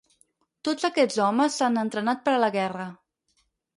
Tots aquests homes s'han entrenat per a la guerra.